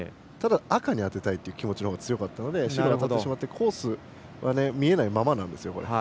赤に当てたいという気持ちのほうが強かったので白に当たってしまってコースが見えないままなんですよ。